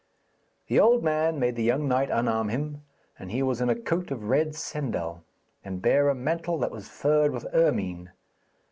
The old man made the young knight unarm him, and he was in a coat of red sendal, and bare a mantle that was furred with ermine.